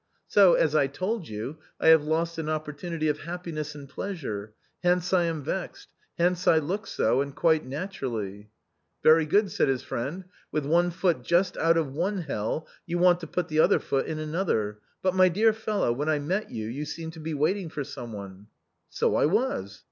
So, as I told you, I have lost an opportunity of happiness and pleasure; hence I am vexed ; hence I look so, and quite naturally." " Very good," said his friend, " with one foot just out of one hell, you want to put the other foot in another; but, my dear fellow, when I met you you seemed to be waiting for some one." " So I was."